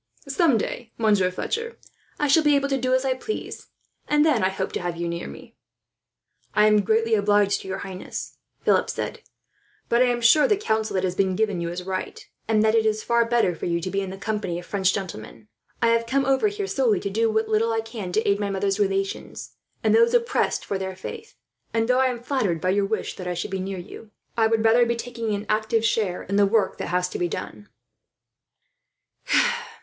Some day, Monsieur Fletcher, I shall be able to do as I please, and then I hope to have you near me." "I am greatly obliged to your Highness," Philip said; "but I am sure the counsel that has been given you is right, and that it is far better for you to be in the company of French gentlemen. I have come over here solely to do what little I can to aid my mother's relations, and those oppressed for their faith; and though I am flattered by your wish that I should be near you, I would rather be taking an active share in the work that has to be done."